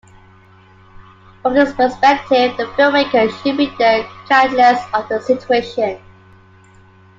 From this perspective, the filmmaker should be the catalyst of a situation.